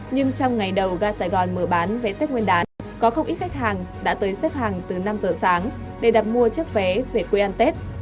nhưng trong ngày đầu ga sài gòn mở bán vé tết nguyên đán có không ít khách hàng đã tới xếp hàng từ năm giờ sáng để đặt mua chiếc vé về quê ăn tết